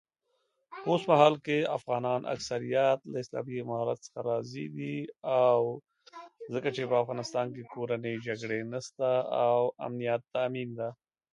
Vader brings Luke to the second Death Star orbiting around Endor.